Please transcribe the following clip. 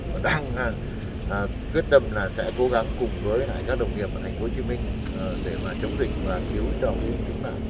và đang quyết tâm là sẽ cố gắng cùng với các đồng nghiệp ở thành phố hồ chí minh để mà chống dịch và cứu cho chúng ta